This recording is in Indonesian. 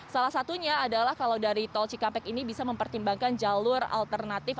salah satunya adalah kalau dari tol cikampek ini bisa mempertimbangkan jalur alternatif